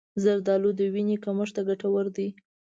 زردآلو د وینې کمښت ته ګټور دي.